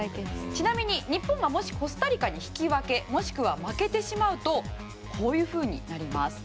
ちなみに日本がもしコスタリカに引き分けもしくは負けてしまうとこういうふうになります。